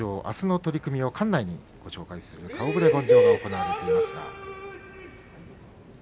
あすの取組を館内にご紹介する顔ぶれ言上が行われています。